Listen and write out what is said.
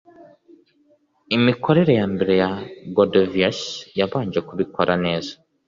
Imikorere ya mbere ya Godovius yabanje kubikora neza